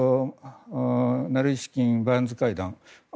ナルイシキン・バーンズ会談。